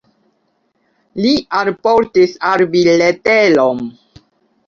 Li alportis al vi leteron.